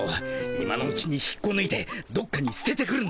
今のうちに引っこぬいてどっかにすててくるんだよ。